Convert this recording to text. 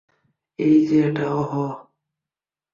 এই যে এটা, অহ!